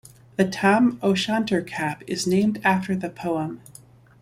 The Tam o' Shanter cap is named after the poem.